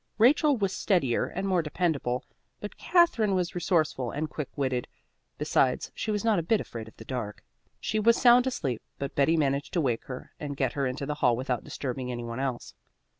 Rachel was steadier and more dependable, but Katherine was resourceful and quick witted. Besides, she was not a bit afraid of the dark. She was sound asleep, but Betty managed to wake her and get her into the hall without disturbing any one else.